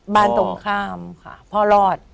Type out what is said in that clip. ตรงข้ามค่ะพ่อรอด